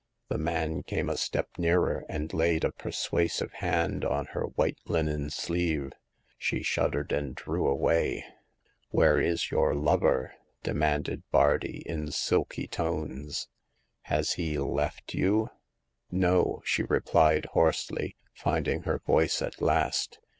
The man came a step nearer and laid a persuasive hand on her white linen sleeve. She shuddered and drew away. Where is your lover?" demanded Bardi, in silky tones. Has he left you ?"No,*' she replied, hoarsely, finding her voice at last.